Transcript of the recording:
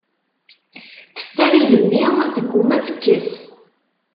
Teffer igenni, tegguma ad tekkes.